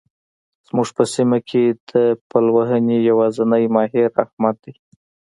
زموږ په سیمه کې د پلوهنې يوازنی ماهر؛ احمد دی.